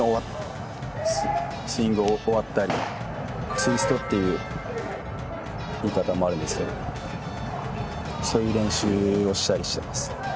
ツイストっていう言い方もあるんですけどそういう練習をしたりしてます。